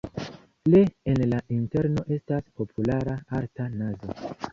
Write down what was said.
Ie en la interno estas populara arta nazo.